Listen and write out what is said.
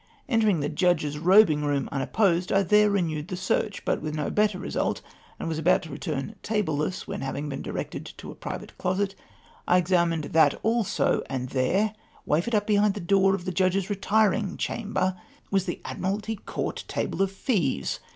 Entering the Judge's robing room unopposed, I there renewed the search, but with no better result, and was about to retmii tableless ; when, having been directed to a private closet, I examined that also, and there, wafered up behind the door of the Judge's retmng chamber, was the Admiralty Court table of fees